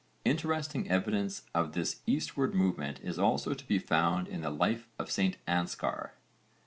Interesting evidence of this eastward movement is also to be found in the Life of St Anskar.